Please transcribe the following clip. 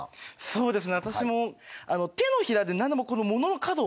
そうです。